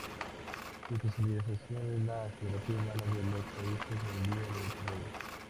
Su especialización es la Geografía Humana de los Países en vía de Desarrollo.